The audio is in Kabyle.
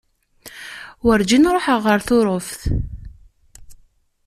Werǧin ruḥeɣ ɣer Tuṛuft.